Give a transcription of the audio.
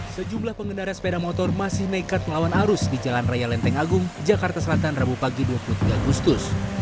sejumlah pengendara sepeda motor masih nekat melawan arus di jalan raya lenteng agung jakarta selatan rabu pagi dua puluh tiga agustus